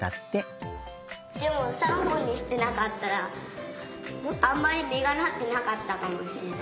でも３本にしてなかったらあんまりみがなってなかったかもしれない。